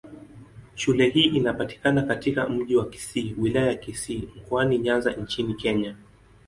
Shule hii inapatikana katika Mji wa Kisii, Wilaya ya Kisii, Mkoani Nyanza nchini Kenya.